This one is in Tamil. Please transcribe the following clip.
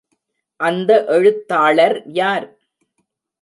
அந்த எழுத்தாளர் யார்?